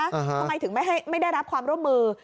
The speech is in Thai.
ทำไมถึงไม่ได้รับความร่วมมือ